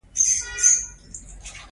دا معیارونه د وظیفې د بریالیتوب لپاره دي.